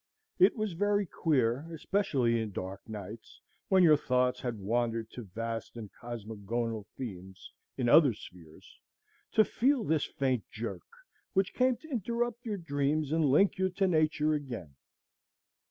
It was very queer, especially in dark nights, when your thoughts had wandered to vast and cosmogonal themes in other spheres, to feel this faint jerk, which came to interrupt your dreams and link you to Nature again.